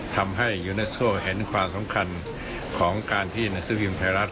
ทำให้ยูเนสโซเห็นความสำคัญของการที่หนังสือพิมพ์ไทยรัฐ